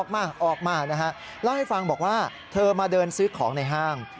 เล่าให้ฟังบอกว่าเธอมาเดินซื้อของในห้าง